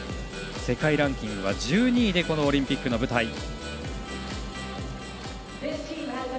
世界ランキング１２位でこのオリンピックの舞台。